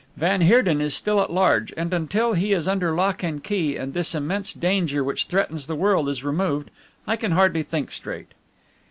Van Heerden is still at large, and until he is under lock and key and this immense danger which threatens the world is removed, I can hardly think straight."